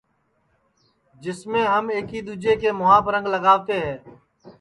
جسمیں ہم ایک دؔوجے کے مُہاپ رنگ لگاوتے ہے